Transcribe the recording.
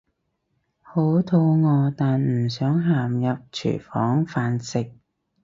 好肚餓但唔想行入廚房飯食